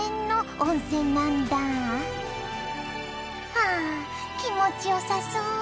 はあ気持ちよさそう。